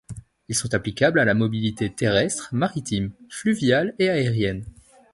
Ils sont applicables à la mobilité terrestre, maritime, fluviale et aérienne.